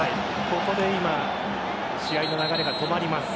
ここで今試合の流れが止まります。